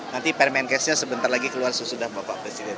nanti permain case nya sebentar lagi keluar sudah bapak presiden